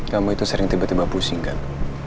kamu itu sering tiba tiba pusing kan